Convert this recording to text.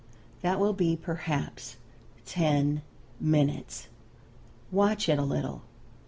That will be perhaps ten minutes. Watch it a little.